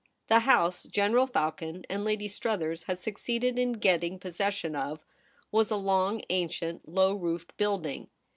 The house General Falcon and Lady Struthers had succeeded in getting possession of was a long ancient low roofed building.